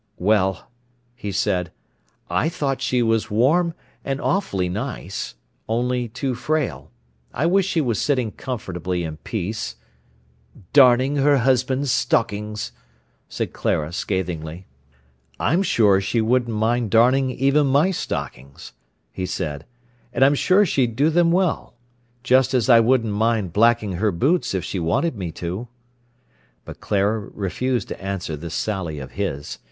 "Well," he said, "I thought she was warm, and awfully nice—only too frail. I wished she was sitting comfortably in peace—" "'Darning her husband's stockings,'" said Clara scathingly. "I'm sure she wouldn't mind darning even my stockings," he said. "And I'm sure she'd do them well. Just as I wouldn't mind blacking her boots if she wanted me to." But Clara refused to answer this sally of his.